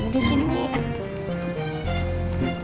bu di sini nih